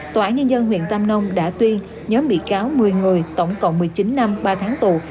tòa án nhân dân huyện tam nông đã tuyên nhóm bị cáo một mươi người tổng cộng một mươi chín năm ba tháng tù